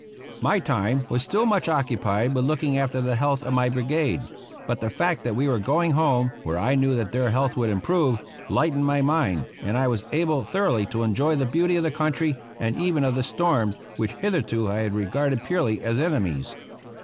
My time was still much occupied with looking after the health of my brigade, but the fact that we were going home, where I knew that their health would improve, lightened my mind, and I was able thoroughly to enjoy the beauty of the country, and even of the storms, which hitherto I had regarded purely as enemies.